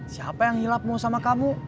siapa yang hilap mau sama kamu